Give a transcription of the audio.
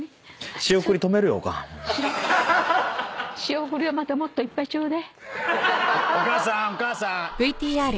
仕送りはもっといっぱいちょうだい。